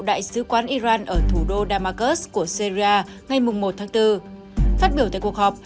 đại sứ quán iran ở thủ đô damascus của syria ngày một bốn phát biểu tại cuộc họp